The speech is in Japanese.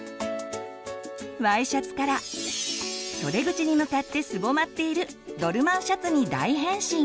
Ｙシャツから袖口に向かってすぼまっているドルマンシャツに大変身！